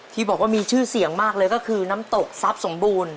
ที่บอกว่ามีชื่อเสียงมากเลยก็คือน้ำตกทรัพย์สมบูรณ์